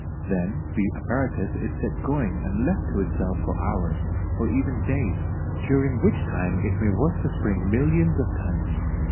Then the apparatus is set going and left to itself for hours, or even for days, during which time it may work the spring millions of times.